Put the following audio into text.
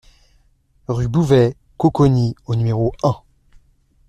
RUE BOUVET - COCONI au numéro un